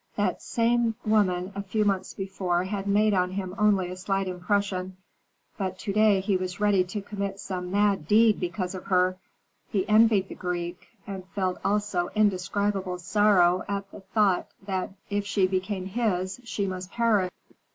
That same woman a few months before had made on him only a slight impression; but to day he was ready to commit some mad deed because of her. He envied the Greek, and felt also indescribable sorrow at the thought that if she became his she must perish.